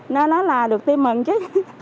nên đó là được tiêm mừng chứ